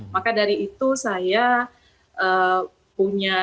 maka dari itu saya punya